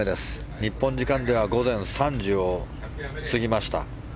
日本時間では午前３時を過ぎました。